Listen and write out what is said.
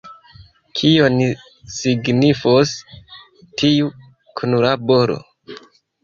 Kion signifos tiu kunlaboro?